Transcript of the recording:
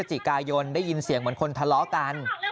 จิกายนได้ยินเสียงเหมือนคนทะเลาะกัน